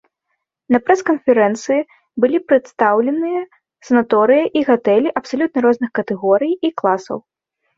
На прэс-канферэнцыі былі прадстаўленыя санаторыі і гатэлі абсалютна розных катэгорый і класаў.